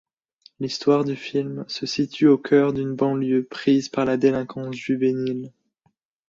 L'histoire du film se situe au cœur d'une banlieue prise par la délinquance juvénile.